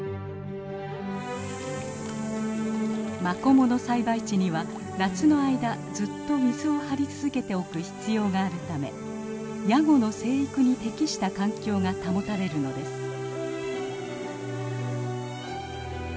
マコモの栽培地には夏の間ずっと水を張り続けておく必要があるためヤゴの生育に適した環境が保たれるのです。